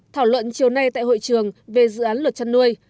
thảo luận chiều nay tại hội trường về dự án luật chăn nuôi